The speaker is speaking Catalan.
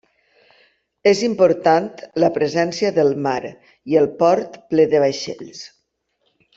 És important la presència del mar i el port ple de vaixells.